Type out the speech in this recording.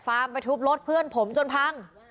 ไปทุบรถเพื่อนผมจนพัง